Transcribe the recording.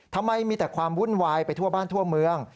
ทำไมมีแต่ความวุ่นวายไปทั่วบ้านทั่วเมือง